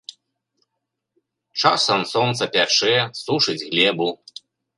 Часам сонца пячэ, сушыць глебу.